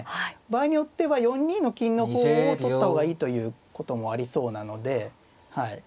場合によっては４二の金の方を取った方がいいということもありそうなので。